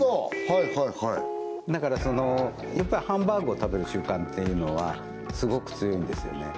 はいはいはいだからやっぱりハンバーグを食べる習慣っていうのはすごく強いんですよね